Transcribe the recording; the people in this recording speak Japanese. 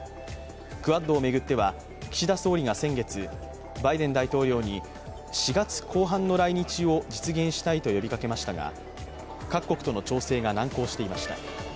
クアッドを巡っては、岸田総理が先月、バイデン大統領に４月後半の来日を実現したいと呼びかけましたが、各国との調整が難航していました。